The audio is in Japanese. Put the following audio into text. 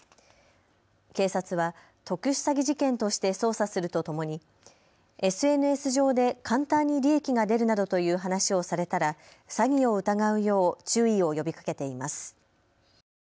警察は特殊詐欺事件として捜査するとともにＳＮＳ上で簡単に利益が出るなどという話をされたら詐欺を疑うよう注意を呼びかけています。